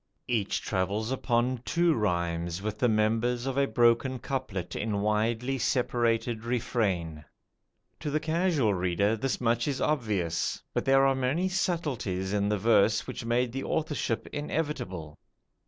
Each travels upon two rhymes with the members of a broken couplet in widely separated refrain. To the casual reader this much is obvious, but there are many subtleties in the verse which made the authorship inevitable.